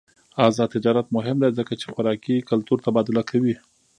آزاد تجارت مهم دی ځکه چې خوراکي کلتور تبادله کوي.